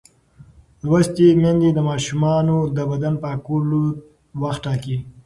لوستې میندې د ماشومانو د بدن پاکولو وخت ټاکي.